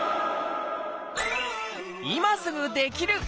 今すぐできる！